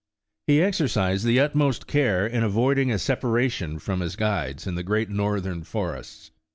He exercised the utmost care in avoiding a separation from his guides in the great Northern forests.